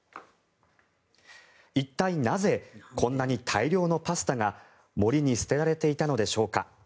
一体なぜこんなに大量のパスタが森に捨てられていたのでしょうか。